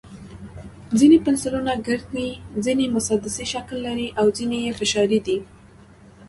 ځینې پنسلونه ګرد وي، ځینې مسدسي شکل لري، او ځینې یې فشاري دي.